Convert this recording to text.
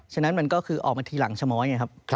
ฉะนั้นมันก็คือออกมาทีหลังชม้อย